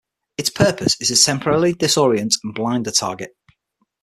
Its purpose is to temporarily disorient and blind a target.